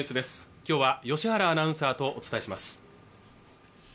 今日は良原アナウンサーとお伝えします